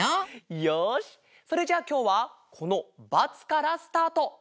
よしそれじゃあきょうはこの「バツ」からスタート。